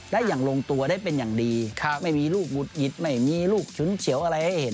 และอย่างลงตัวได้เป็นอย่างดีไม่มีลูกหงุดหงิดไม่มีลูกฉุนเฉียวอะไรให้เห็น